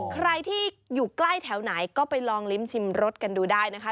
ใครที่อยู่ใกล้แถวไหนก็ไปลองลิ้มชิมรสกันดูได้นะคะ